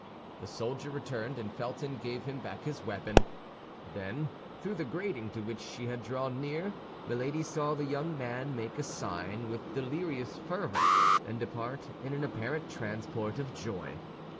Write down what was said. The soldier returned, and Felton gave him back his weapon. Then, through the grating to which she had drawn near, Milady saw the young man make a sign with delirious fervor, and depart in an apparent transport of joy.